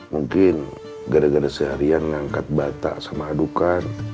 mungkin gara gara seharian ngangkat batak sama adukan